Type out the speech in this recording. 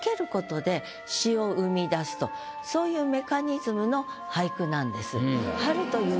そういうメカニズムの俳句なんです。